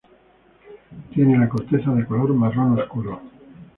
Tiene la corteza de color marrón oscuro.